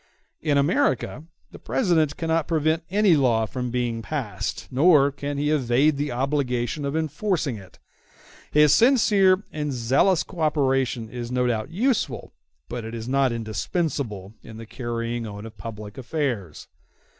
In America the President cannot prevent any law from being passed, nor can he evade the obligation of enforcing it. His sincere and zealous co operation is no doubt useful, but it is not indispensable, in the carrying on of public affairs.